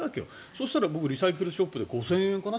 そうしたら僕はリサイクルショップで５０００円かな？